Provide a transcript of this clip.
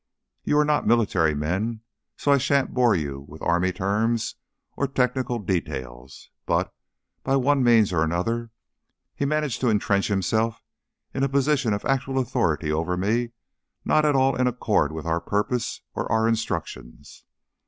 "You are not military men, so I sha'n't bore you with army terms or technical details, but by one means or another he managed to intrench himself in a position of actual authority over me not at all in accord with our purpose or our instructions.